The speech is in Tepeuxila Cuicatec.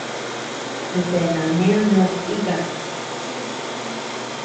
Kutea nauné did tika.